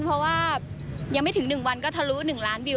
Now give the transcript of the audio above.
เพราะว่ายังไม่ถึง๑วันก็ทะลุ๑ล้านวิว